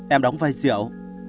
em đóng vai rượu